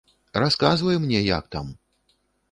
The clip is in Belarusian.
Расказвай мне, як там.